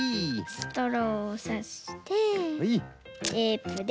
ストローをさしてテープで。